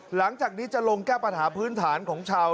หลังจากนี้จะลงแก้ปัญหาพื้นฐานของชาว